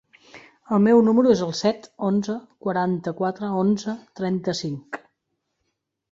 El meu número es el set, onze, quaranta-quatre, onze, trenta-cinc.